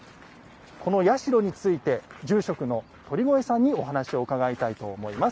この社について住職の鳥越さんにお話を伺いたいと思います。